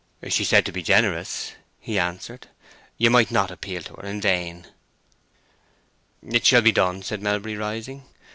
"She is said to be generous," he answered. "You might not appeal to her in vain." "It shall be done," said Melbury, rising.